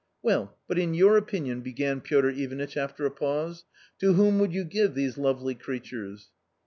Well, but in your opinion," began Piotr Ivanitch after a pause: "to whom would you give these lovely creatures